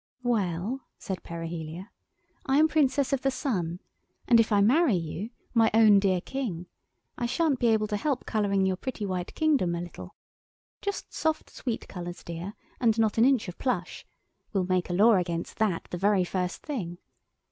"Well," said Perihelia, "I am Princess of the Sun, and if I marry you, my own dear King, I shan't be able to help colouring your pretty white kingdom a little. Just soft sweet colours, dear, and not an inch of plush. We'll make a law against that the very first thing.